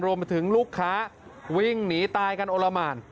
รวมถึงลูกค้าวิ่งหนีตายกันโอละหมาน